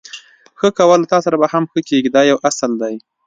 ښه کوه له تاسره به هم ښه کېږي دا یو اصل دی.